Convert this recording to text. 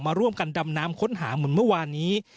ร่วมกันดำน้ำค้นหาเหมือนเมื่อวานนี้